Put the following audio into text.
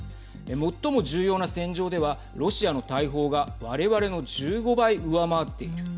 最も重要な戦場ではロシアの大砲がわれわれの１５倍上回っている。